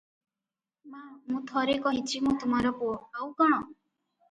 ମା' ମୁଁ ଥରେ କହିଚି ମୁଁ ତମର ପୁଅ- ଆଉ କଣ?